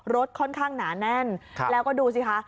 รถค่อนข้างหนาแน่นแล้วก็ดูสิคะ